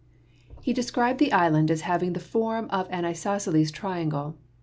He described the island as having the form of an isosceles triangle.